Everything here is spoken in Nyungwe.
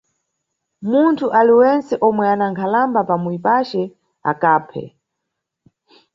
Munthu aliwentse omwe ana nkhalamba pa muyi pace, akaphe.